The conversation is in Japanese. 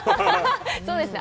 そうですね。